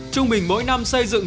trung bình mỗi năm xây dựng